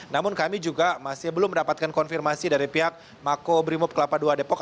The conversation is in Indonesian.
namun kami juga masih belum mendapatkan konfirmasi dari pihak makobrimob kelapa ii depok